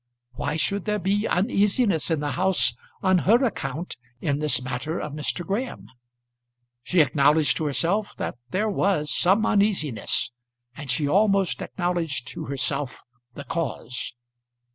Why should there be uneasiness in the house on her account in this matter of Mr. Graham? She acknowledged to herself that there was such uneasiness; and she almost acknowledged to herself the cause.